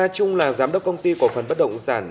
trung là giám đốc công ty của phần bất động sản